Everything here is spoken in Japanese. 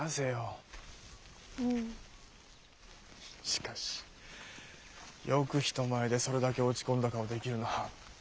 しかしよく人前でそれだけ落ち込んだ顔できるな。